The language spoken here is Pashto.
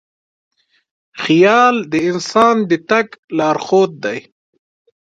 خیال د انسان د تګ لارښود دی.